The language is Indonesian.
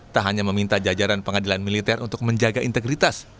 tak hanya meminta jajaran pengadilan militer untuk menjaga integritas